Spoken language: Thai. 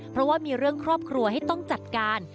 เพราะว่ามีเรื่องครอบครัวให้ต้องจัดการ